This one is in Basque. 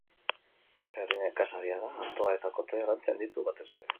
Herri nekazaria da; artoa eta kotoia lantzen ditu, batez ere.